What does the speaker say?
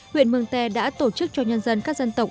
huyện mường tè đã tổ chức cho nhân dân các dân tộc